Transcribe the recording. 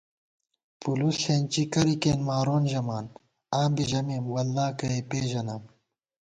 پُولُوس ݪېنچی ، کرِیکېن مارون ژمان ، آں بی ژمېم “واللہ کَہ یےپېژَنم”